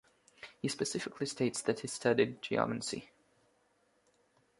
He specifically states that he studied geomancy.